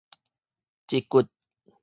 舌骨